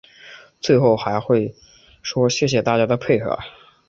最后还说谢谢大家的配合